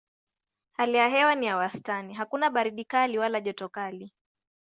Hali ya hewa ni ya wastani: hakuna baridi kali wala joto kali.